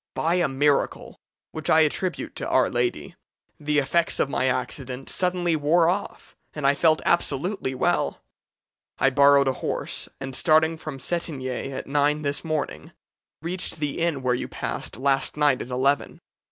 By a miracle, which I attribute to Our Lady, the effects of my accident suddenly wore off, and I felt absolutely well. I borrowed a horse, and, starting from Cetinge at nine this morning, reached the inn where you passed last night at eleven.